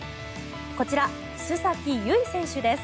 こちら、須崎優衣選手です。